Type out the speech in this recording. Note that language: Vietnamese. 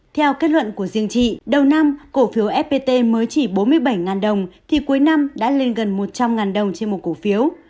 theo kết luận của riêng chị đầu năm cổ phiếu fpt mới chỉ bốn mươi bảy đồng thì cuối năm đã lên gần một trăm linh đồng trên một cổ phiếu